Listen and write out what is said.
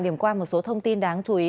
điểm qua một số thông tin đáng chú ý